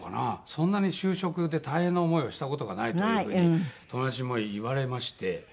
そんなに就職で大変な思いをした事がないという風に友達に言われまして。